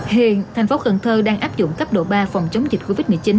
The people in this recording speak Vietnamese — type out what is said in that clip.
hiện thành phố cần thơ đang áp dụng cấp độ ba phòng chống dịch covid một mươi chín